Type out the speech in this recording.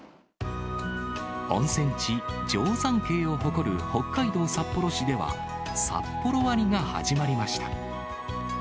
温泉地、定山渓を誇る北海道札幌市では、サッポロ割が始まりました。